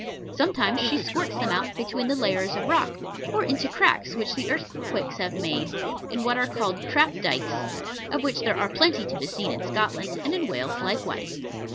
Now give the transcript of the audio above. Sometimes she squirts them out between the layers of rock, or into cracks which the earthquakes have made, in what are called trap dykes, of which there are plenty to be seen in Scotland, and in Wales likewise.